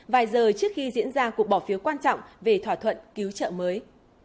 vài giờ trước khi diễn ra cuộc bỏ phiếu quan trọng về thỏa thuận cứu trợ mới